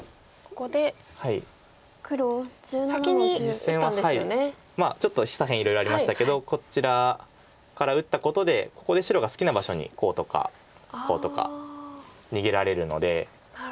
実戦はちょっと左辺いろいろありましたけどこちらから打ったことでここで白が好きな場所にこうとかこうとか逃げられるので。